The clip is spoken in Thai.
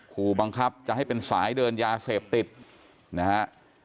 ขู่บังคับจะให้เป็นสายเดินยาเสพติดนะฮะ